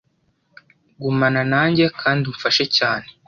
Gumana nanjye kandi umfashe cyane!